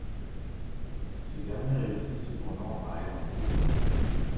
Ce dernier réussit, cependant, à être couronné.